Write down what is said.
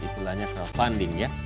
istilahnya crowdfunding ya